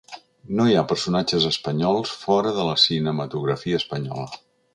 No hi ha personatges espanyols fora de la cinematografia espanyola.